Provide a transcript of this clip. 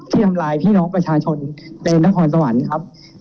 ทำลายพี่น้องประชาชนในนครสวรรค์ครับ